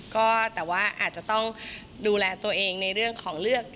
ก็แต่ว่าอาจจะต้องดูแลตัวเองในเรื่องของเลือก